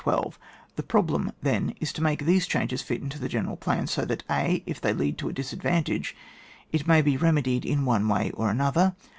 The problem, then, is to make these changes fit into the general plan, so that — (a) If they lead to a disadvantage, it may be remedied in one way or another.